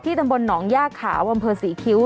ตำบลหนองย่าขาวอำเภอศรีคิ้ว